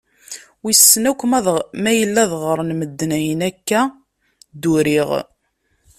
Wissen akk ma yella ad ɣren medden ayen akka d-uriɣ.